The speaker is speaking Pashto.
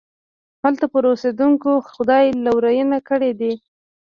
هلته پر اوسېدونکو خدای لورينې کړي دي.